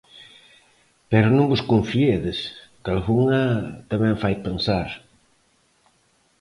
Pero non vos confiedes, que algunha tamén fai pensar.